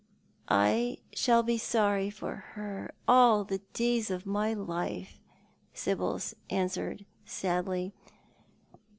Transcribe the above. " I shall be sorry for her all the days of my life," Sibyl answered, sadly.